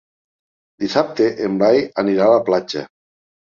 Dissabte en Blai anirà a la platja.